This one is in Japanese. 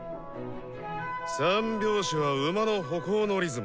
３拍子は馬の歩行のリズムだ。